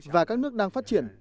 và các nước đang phát triển